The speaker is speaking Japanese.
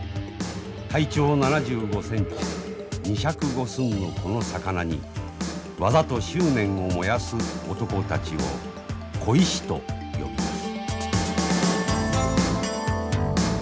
体長７５センチ２尺５寸のこの魚に技と執念を燃やす男たちを鯉師と呼びます。